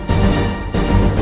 masih ada yang nunggu